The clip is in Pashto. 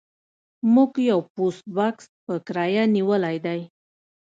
موږ یو پوسټ بکس په کرایه نیولی دی